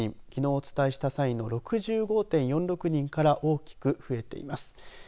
きのうお伝えした際の６５．４６人から大きく増えています。